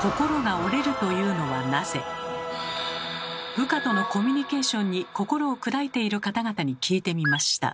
部下とのコミュニケーションに心を砕いている方々に聞いてみました。